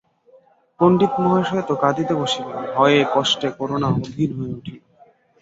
পণ্ডিতমহাশয় তো কাঁদিতে বসিলেন, ভয়ে কষ্টে করুণা অধীর হইয়া উঠিল।